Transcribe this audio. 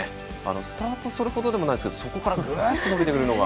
スタートそれほどでもないですけどそこから伸びてくるのが。